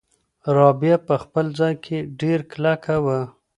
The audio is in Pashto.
رابعه په خپل ځای کې ډېره کلکه وه.